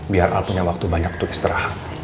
biar al punya waktu banyak untuk istirahat